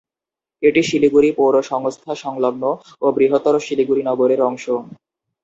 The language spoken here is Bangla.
এটি শিলিগুড়ি পৌরসংস্থা সংলগ্ন ও বৃহত্তর শিলিগুড়ি নগরের অংশ।